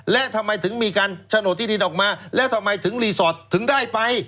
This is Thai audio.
และทำไมถึงมีการโฉนดที่ดินออกมาแล้วทำไมถึงรีสอร์ทถึงได้ไป